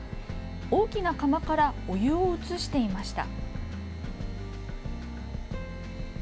大きな釜からお湯を移していました。